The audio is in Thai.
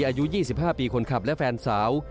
อายุ๒๕ปีคนขับและแฟนสาว